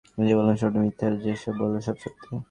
আমি যা বললাম সবটা মিথ্যা, আর সে যা বললো সব সত্যি?